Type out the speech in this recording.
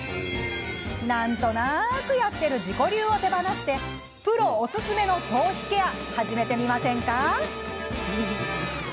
なんとなくやってる自己流を手放してプロおすすめの頭皮ケアを始めてみませんか？